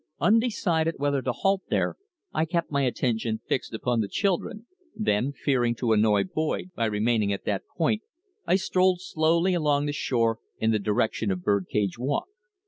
Undecided whether to halt there, I kept my attention fixed upon the children, then, fearing to annoy Boyd by remaining at that point, I strolled slowly along the shore in the direction of Birdcage Walk.